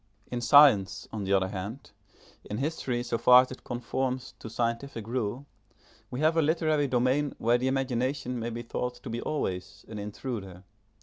In science, on the other hand, in history so far as it conforms to scientific rule, we have a literary domain where the imagination may be thought to be always an intruder.